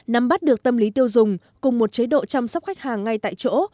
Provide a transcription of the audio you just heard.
nắm bắt được tâm lý tiêu dùng cùng một chế độ chăm sóc khách hàng ngay tại chỗ